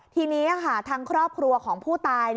ทีนี้ค่ะทางครอบครัวของผู้ตาย